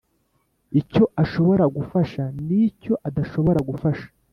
icyo ashobora gufasha nicyo adashobora gufasha